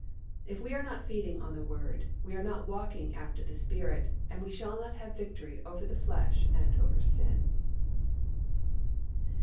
If we are not feeding on the Word, we are not walking after the Spirit and we shall not have victory over the flesh and over sin.